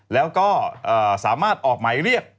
แล้วก็สามารถออกหมายเรียก